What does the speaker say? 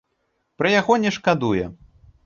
Пра яго не шкадуе.